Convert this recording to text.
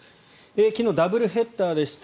昨日、ダブルヘッダーでした。